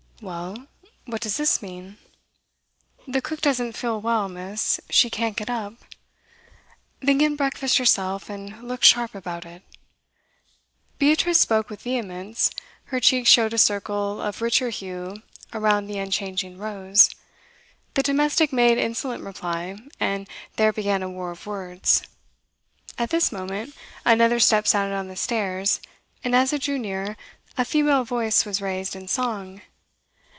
'Well? what does this mean?' 'The cook doesn't feel well, miss; she can't get up.' 'Then get breakfast yourself, and look sharp about it.' Beatrice spoke with vehemence; her cheeks showed a circle of richer hue around the unchanging rose. The domestic made insolent reply, and there began a war of words. At this moment another step sounded on the stairs, and as it drew near, a female voice was raised in song.